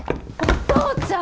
お父ちゃん！